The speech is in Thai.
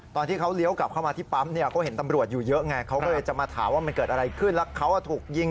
ตอนที่เขาเลี้ยวกลับเข้ามาที่ปั๊มเนี่ย